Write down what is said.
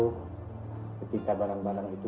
ketika barang barang itu